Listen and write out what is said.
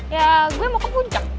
ya gue mau ke puncak